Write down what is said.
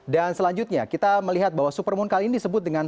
dan selanjutnya kita melihat bahwa supermoon kali ini disebut dengan